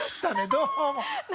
どうも。